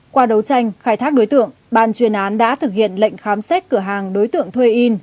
qua đấu tranh khai thác đối tượng ban chuyên án đã thực hiện lệnh khám xét cửa hàng đối tượng thuê in